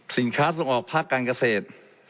สินค้าส่งออกภาคการเกษตร